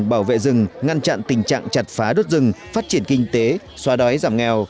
bảo vệ rừng ngăn chặn tình trạng chặt phá đốt rừng phát triển kinh tế xoa đói giảm nghèo